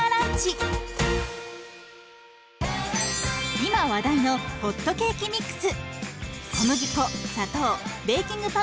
今話題のホットケーキミックス。